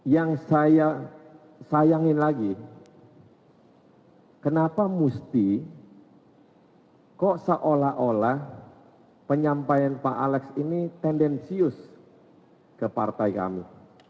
yang saya sayangin lagi kenapa mesti kok seolah olah penyampaian pak alex ini tendensius ke partai kami